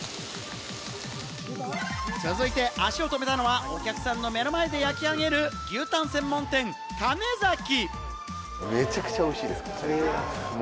続いて足を止めたのは、お客さんの目の前で焼き上げる牛タン専門店・かねざき。